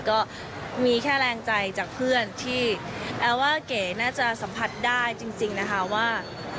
ก็มีแค่แรงใจจากเพื่อนที่แอลว่าเก๋น่าจะสัมผัสได้จริงนะคะว่า